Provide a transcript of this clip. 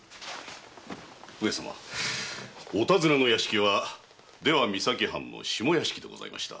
上様お尋ねの屋敷は出羽三崎藩の下屋敷でございました。